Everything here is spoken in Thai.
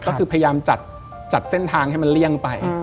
ก็คือพยายามจัดเส้นทางให้มันเลี่ยงไป